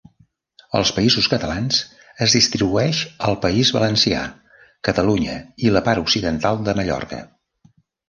Als Països Catalans es distribueix al País Valencià, Catalunya i la part occidental de Mallorca.